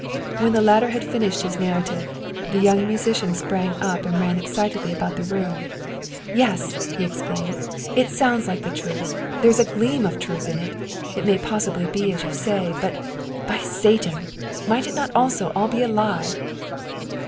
When the latter had finished his narrative, the young musician sprang up and ran excitedly about the room. " Yes," he exclaimed, " it sounds like truth ; there is a gleam of truth in it it may possibly be as you say. But, by Satan! might it not also be all a lie?"